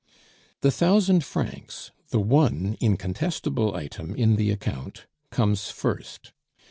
The thousand francs, the one incontestable item in the account, comes first.